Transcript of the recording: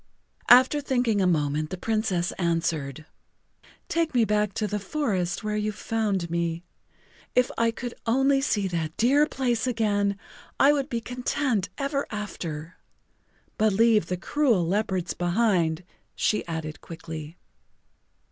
[Pg 38]After thinking a moment the Princess answered: "Take me back to the forest where you found me. If I could only see that dear place again I would be content ever after. But leave the cruel leopards behind," she added quickly.